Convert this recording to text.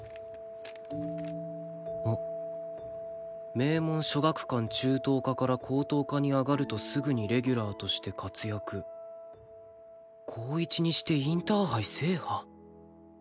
「名門曙學館中等科から高等科に上がるとすぐにレギュラーとして活躍高１にしてインターハイ制覇」